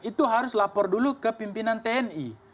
itu harus lapor dulu ke pimpinan tni